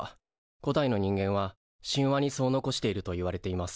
古代の人間は神話にそう残しているといわれています。